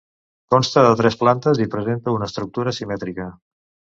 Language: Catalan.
Consta de tres plantes i presenta una estructura simètrica.